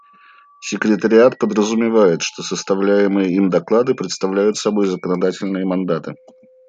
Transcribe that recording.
Секретариат подразумевает, что составляемые им доклады представляют собой законодательные мандаты.